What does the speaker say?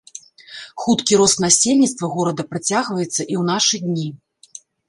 Хуткі рост насельніцтва горада працягваецца і ў нашы дні.